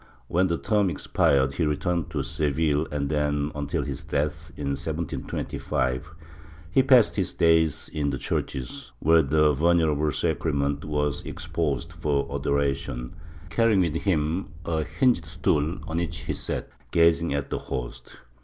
When the term had expired he returned to Seville and then, until his death, in 1725, he passed his days in the churches, where the Venerable Sacrament was exposed for adoration, carrying with him a hinged stool on which he sat, gazing at the Host.